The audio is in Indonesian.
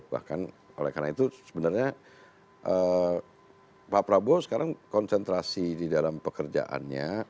bahkan oleh karena itu sebenarnya pak prabowo sekarang konsentrasi di dalam pekerjaannya